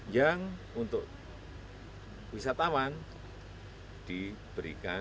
yang untuk wisatawan diberikan